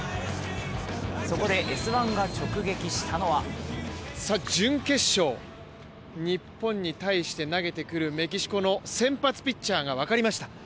そこで「Ｓ☆１」が直撃したのは準決勝、日本に対して投げてくるメキシコの先発ピッチャーが分かりました。